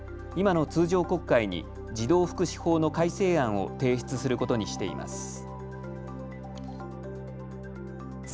今の通常国会に児童福祉法の改正案を提出することにしています。